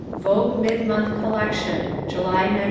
Vogue mid month collection, July 1946.